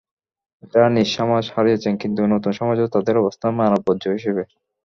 এঁরা নিজ সমাজ হারিয়েছেন, কিন্তু নতুন সমাজেও তাঁদের অবস্থান মানববর্জ্য হিসেবে।